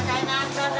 どうぞ。